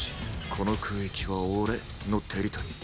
この空域は俺のテリトリー。